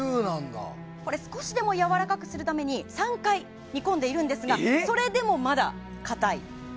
少しでもやわらかくするために３回煮込んでいるんですがそれでも、まだかたい。